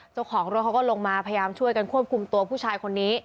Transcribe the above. เจ้าของรถเขาก็ลงมาพยายามช่วยกันควบคุมตัวผู้ชายคนนี้